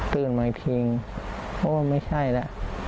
ตื่นมาอีกทีว่าไม่ใช่ละ